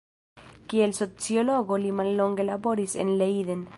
Kiel sociologo li mallonge laboris en Leiden.